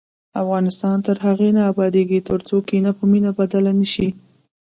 افغانستان تر هغو نه ابادیږي، ترڅو کینه په مینه بدله نشي.